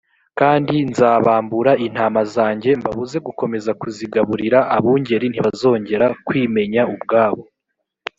kandi nzabambura intama zanjye mbabuze gukomeza kuzigaburira abungeri ntibazongera kwimenya ubwabo